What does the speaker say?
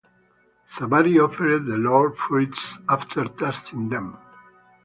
Sabari offered the Lord fruits after tasting them.